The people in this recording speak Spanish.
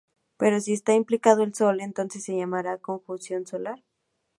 Pero si está implicado el Sol, entonces se llama conjunción solar.